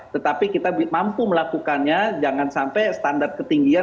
tetapi kita mampu melakukannya jangan sampai standar ketinggian